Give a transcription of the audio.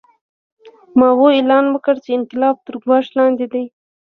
ماوو اعلان وکړ چې انقلاب تر ګواښ لاندې دی.